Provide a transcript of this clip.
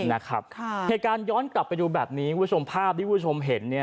เหตุการณ์ย้อนกลับไปอยู่แบบนี้วิวชมภาพที่วิวชมเห็น